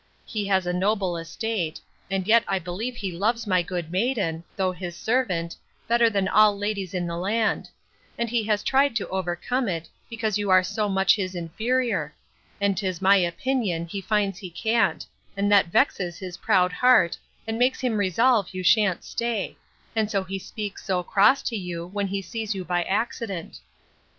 He has a noble estate; and yet I believe he loves my good maiden, though his servant, better than all the ladies in the land; and he has tried to overcome it, because you are so much his inferior; and 'tis my opinion he finds he can't; and that vexes his proud heart, and makes him resolve you shan't stay; and so he speaks so cross to you, when he sees you by accident.